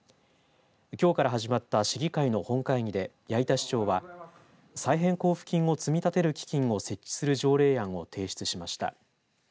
きょうから始まった市議会の本会議で八板市長は再編交付金を積み立てる基金を設置する条例案を提出しました。